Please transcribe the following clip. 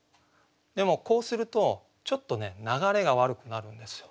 でもこうするとちょっとね流れが悪くなるんですよ。